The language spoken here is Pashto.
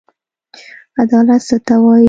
عدالت څه ته وايي.